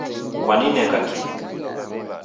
Kwanineka ki